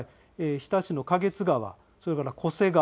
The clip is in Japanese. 日田市の花月川、それから巨瀬川